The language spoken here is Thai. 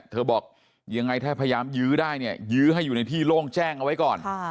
บอกยังไงถ้าพยายามยื้อได้เนี่ยยื้อให้อยู่ในที่โล่งแจ้งเอาไว้ก่อน